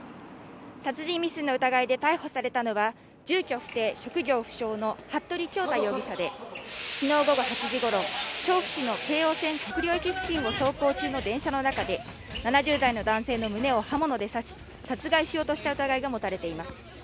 殺人未遂の疑いで逮捕されたのは住居不定職業不詳の服部恭太容疑者で昨日午後８時ごろ調布市の京王線国領駅付近を走行中の電車の中で７０代の男性の胸を刃物で刺し殺害しようとした疑いが持たれています